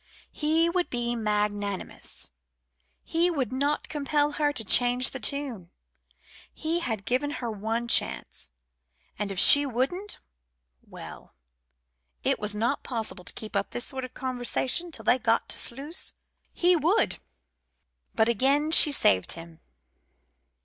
He would be magnanimous. He would not compel her to change the tune. He had given her one chance; and if she wouldn't well, it was not possible to keep up this sort of conversation till they got to Sluys. He would But again she saved him.